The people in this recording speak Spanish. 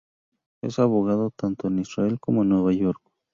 Es abogado tanto en Israel como en Nueva York.